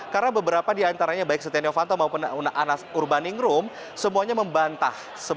karena beberapa diantaranya baik setia novanto maupun anas urbaningrum semuanya membantah